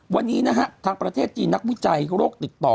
วันนี้นะฮะทางประเทศจีนนักวิจัยโรคติดต่อ